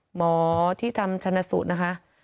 หมอที่ทำชนะสูตรนะคะ